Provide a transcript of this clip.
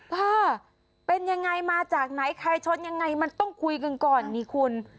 ป้าเป็นอย่างไรมาจากไหนใครชดอย่างไรมันต้องคุยกันก่อนนี่คุณ